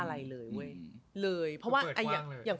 ซีรีส์วายต่าง